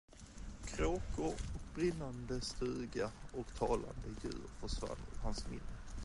Kråkor och brinnande stuga och talande djur försvann ur hans minne.